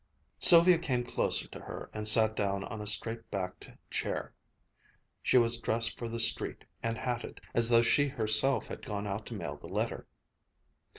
Sylvia came closer to her and sat down on a straight backed chair. She was dressed for the street, and hatted, as though she herself had gone out to mail the letter.